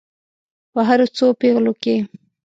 په هرو څو پیغلو کې.